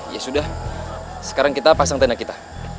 ya sudah sekarang kita pasang tenda kita